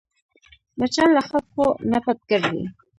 مچان له خلکو نه پټ ګرځي